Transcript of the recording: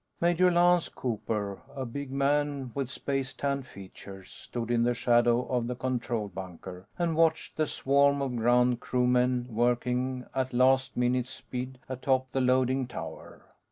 Major Lance Cooper, a big man with space tanned features, stood in the shadow of the control bunker and watched the swarm of ground crewmen working at last minute speed atop the loading tower.